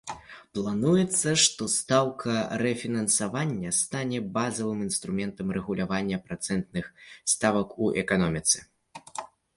Плануецца, што стаўка рэфінансавання стане базавым інструментам рэгулявання працэнтных ставак у эканоміцы.